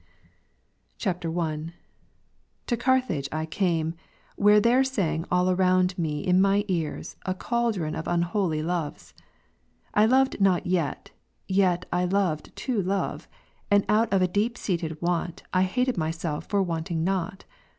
[I.] 1. To Carthage I came, where there sang all around me in my ears a cauldron of unholy loves. I loved not yet, yet I loved to love, and out of a deep seated want, I hated myself for wanting not.